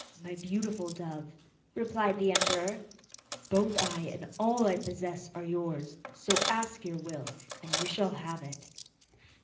'My beautiful dove,' replied the emperor, 'both I and all I possess are yours, so ask your will, and you shall have it.